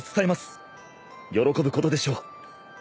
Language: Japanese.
喜ぶことでしょう。